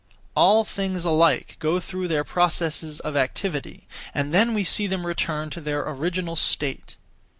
All things alike go through their processes of activity, and (then) we see them return (to their original state).